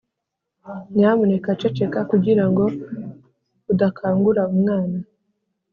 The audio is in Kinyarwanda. nyamuneka ceceka, kugirango udakangura umwana